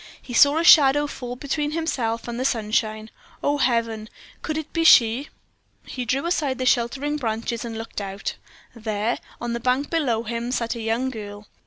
He saw a shadow fall between himself and the sunshine. Oh, Heaven! could it be she? He drew aside the sheltering branches and looked out. There, on the bank below him, sat a young girl.